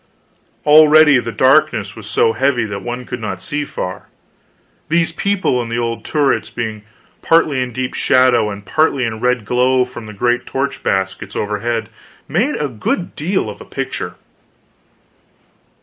Already the darkness was so heavy that one could not see far; these people and the old turrets, being partly in deep shadow and partly in the red glow from the great torch baskets overhead, made a good deal of a picture.